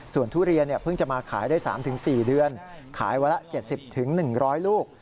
ส่วนทุเรียนเพิ่งจะมาขายได้๓๔เดือนขายวันละ๗๐๑๐๐ลูก